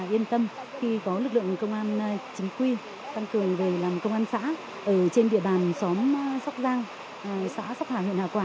yên tâm khi có lực lượng công an chính quy tăng cường về làm công an xã ở trên địa bàn xóm sóc giang xã sóc hà huyện hà quảng